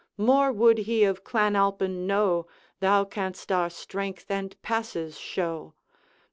More would he of Clan Alpine know, Thou canst our strength and passes show.